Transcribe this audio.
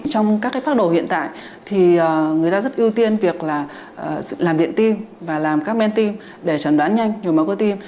trong các phác đồ hiện tại thì người ta rất ưu tiên việc là làm điện tim và làm các men tim để chẳng đoán nhanh nhồi máu cơ tim